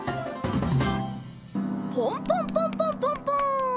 ポンポンポンポンポンポン！